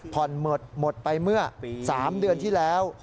หมดหมดไปเมื่อ๓เดือนที่แล้ว